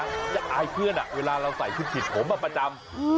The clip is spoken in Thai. จริงนะอยากอายเพื่อนเวลาเราใส่ขึ้นผิดผมประจำ